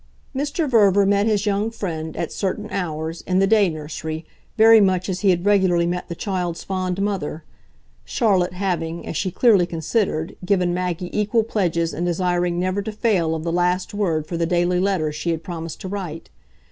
Mr. Verver met his young friend, at certain hours, in the day nursery, very much as he had regularly met the child's fond mother Charlotte having, as she clearly considered, given Maggie equal pledges and desiring never to fail of the last word for the daily letter she had promised to write.